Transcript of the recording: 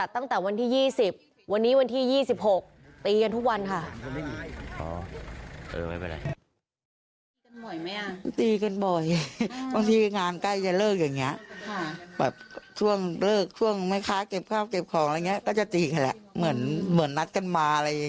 ตั้งแต่วันที่๒๐วันนี้วันที่๒๖ตีกันทุกวันค่ะ